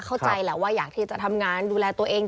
เข้าใจแหละว่าอยากที่จะทำงานดูแลตัวเอง